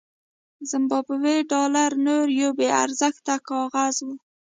زیمبابويي ډالر نور یو بې ارزښته کاغذ و.